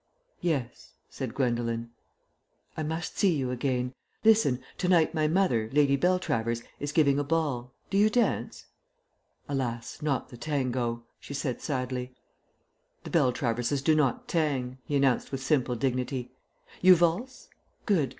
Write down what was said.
"Yes," said Gwendolen. "I must see you again. Listen! To night my mother, Lady Beltravers, is giving a ball. Do you dance?" "Alas, not the tango," she said sadly. "The Beltraverses do not tang," he announced with simple dignity. "You valse? Good.